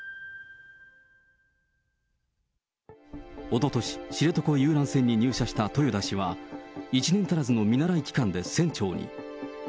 おととし、知床遊覧船に入社した豊田氏は、１年足らずの見習い期間で船長に。